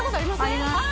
あります。